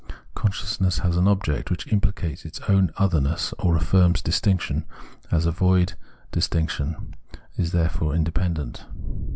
Con sciousness has an object which impUcates its own other ness or affirms distinction as a void distinction, and therein is independent.